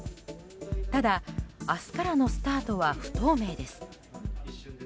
ただ、明日からのスタートは不透明です。